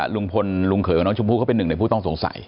ลุงพลลุงเขยของน้องชมพู่เขาเป็นหนึ่งในผู้ต้องสงสัย